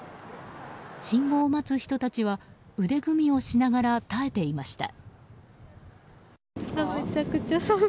信号を待つ人たちは腕組みをしながら耐えていました。